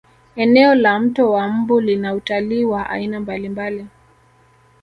eneo la mto wa mbu lina utalii wa aina mbalimbali